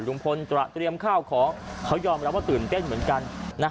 ลุงพลตระเตรียมข้าวของเขายอมรับว่าตื่นเต้นเหมือนกัน